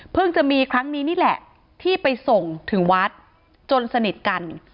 จะมีครั้งนี้นี่แหละที่ไปส่งถึงวัดจนสนิทกัน